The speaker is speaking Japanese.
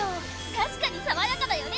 確かにさわやかだよね！